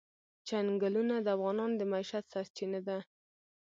چنګلونه د افغانانو د معیشت سرچینه ده.